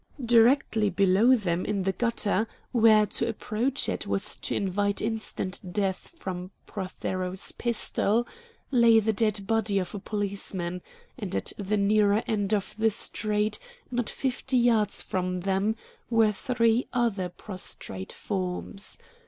Directly below them in the gutter, where to approach it was to invite instant death from Prothero's pistol, lay the dead body of a policeman, and at the nearer end of the street, not fifty yards from them, were three other prostrate forms.